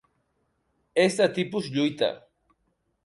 És de tipus Lluita.